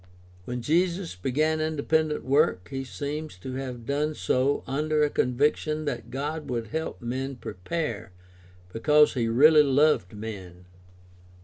When Jesus began independent work he seems to have done so under a conviction that God would help men prepare because he really loved men.